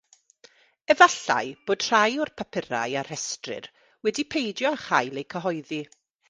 Efallai bod rhai o'r papurau a restrir wedi peidio â chael eu cyhoeddi.